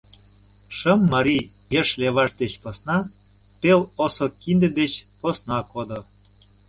Шым марий еш леваш деч посна, пел осо кинде деч посна кодо!